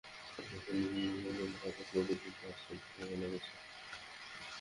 সেখান থেকে নীতিনির্ধারকদের মধ্যে আরও নতুন চিন্তা আসছে বলে জানা গেছে।